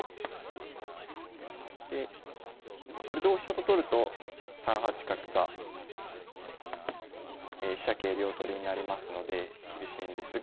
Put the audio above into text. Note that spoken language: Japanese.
でこれ同飛車と取ると３八角が飛車桂両取りになりますので厳しいんですが。